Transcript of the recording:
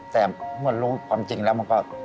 แต่เมื่อรู้ความจริงแล้วมันก็